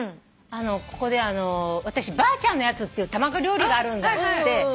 ここで「ばあちゃんのやつ」っていう卵料理があるんだっつって。